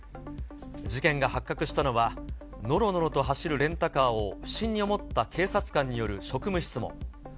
事件が発覚したのは、のろのろと走るレンタカーを不審に思った警察官による職務質問。